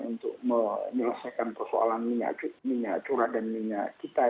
untuk menyelesaikan persoalan minyak curah dan minyak kita